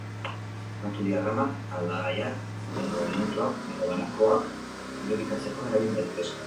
Datu diagramak aldagaiak edo elementuak edo banakoak irudikatzeko erabil daitezke.